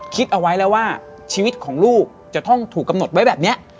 คิดเอาไว้แล้วว่าชีวิตของลูกจะต้องถูกกำหนดไว้แบบนี้